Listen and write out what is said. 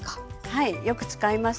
はいよく使います。